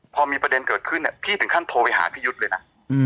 พอมีประเด็นเกิดขึ้นพี่ถึงขั้นโทรไปหาพี่ยุทธ์เลยนะ